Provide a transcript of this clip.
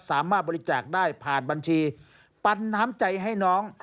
สามารถบริจาคได้ผ่านบัญชีปันน้ำใจให้น้อง